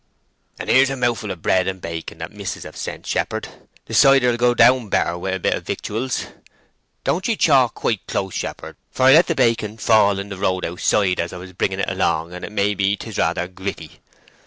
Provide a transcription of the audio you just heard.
"And here's a mouthful of bread and bacon that mis'ess have sent, shepherd. The cider will go down better with a bit of victuals. Don't ye chaw quite close, shepherd, for I let the bacon fall in the road outside as I was bringing it along, and may be 'tis rather gritty.